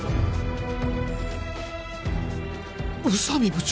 宇佐美部長！